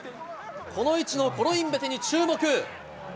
この位置のコロインベテに注目。